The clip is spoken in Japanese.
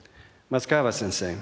益川先生。